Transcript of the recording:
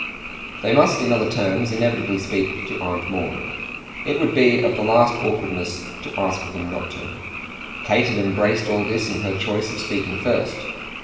They must in other terms inevitably speak to Aunt Maud it would be of the last awkwardness to ask them not to: Kate had embraced all this in her choice of speaking first.